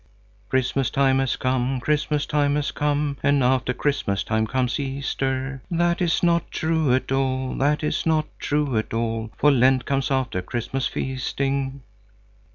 Christmas time has come, Christmas time has come, And after Christmas time comes Easter. That is not true at all, That is not true at all, For Lent comes after Christmas feasting.